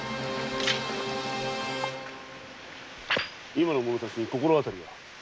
今の者たちに心当たりは？